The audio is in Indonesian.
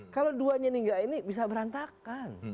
kalau dua nyingga ini bisa berantakan